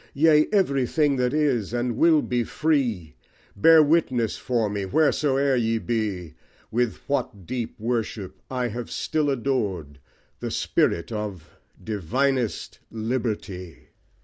Yea, everything that is and will be free! Bear witness for me, wheresoe'er ye be, With what deep worship I have still adored The spirit of divinest liberty.